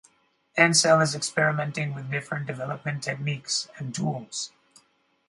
Ancel is experimenting with different development techniques and tools.